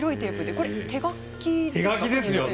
これ手書きですかね？